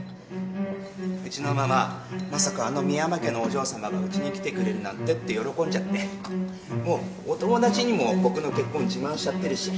うちのママまさかあの深山家のお嬢さまがうちに来てくれるなんてって喜んじゃってもうお友達にも僕の結婚自慢しちゃってるし。